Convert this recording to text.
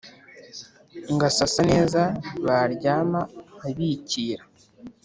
Ngasasa neza baryama nkabikira